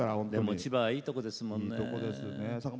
千葉はいいとこですもんね。